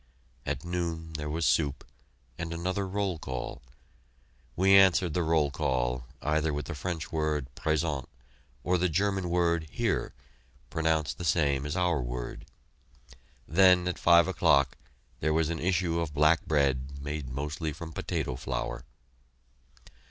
At noon there was soup, and another roll call. We answered the roll call, either with the French word "Présent" or the German word "Hier," pronounced the same as our word. Then at five o'clock there was an issue of black bread made mostly from potato flour.